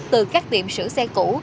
từ các tiệm sửa xe cũ